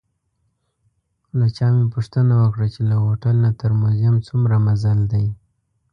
له چا مې پوښتنه وکړه چې له هوټل نه تر موزیم څومره مزل دی.